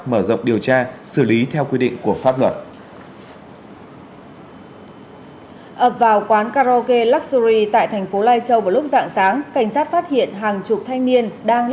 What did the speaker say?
một số khác bỏ chạy khi gặp lực lượng chức năng